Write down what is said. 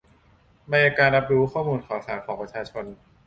ในการรับรู้ข้อมูลข่าวสารของประชาชน